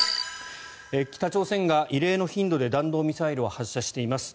北朝鮮が異例の頻度で弾道ミサイルを発射しています。